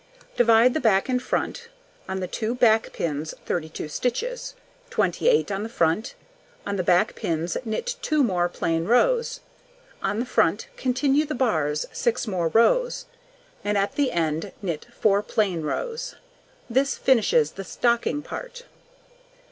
Divide the back and front on the 2 back pins 32 stitches, 28 on the front; on the back pins knit 2 more plain rows, on the front continue the bars 6 more rows, and at the end knit 4 plain rows. This finishes the stocking part.